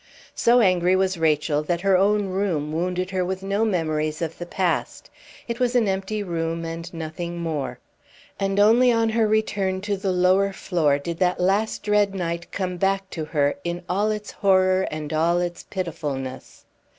So angry was Rachel that her own room wounded her with no memories of the past. It was an empty room, and nothing more; and only on her return to the lower floor did that last dread night come back to her in all its horror and all its pitifulness.